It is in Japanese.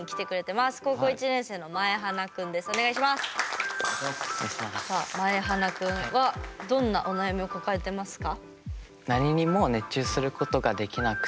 まえはなくんはどんなお悩みを抱えてますか？